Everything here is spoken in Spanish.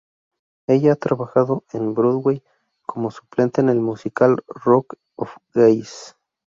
Ella ha trabajado en Broadway como suplente en el musical Rock of Ages.